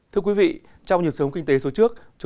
thưa quý vị trong nhiệm sống kinh tế số trước